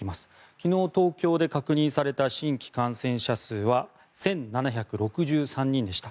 昨日、東京で確認された新規感染者数は１７６３人でした。